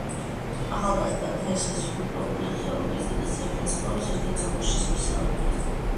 ახალგაზრდა თესევსი უბრალო გლეხია, რომელიც დედასთან ერთად ცხოვრობს ერთ-ერთ სოფელში ზღვის სანაპიროსთან.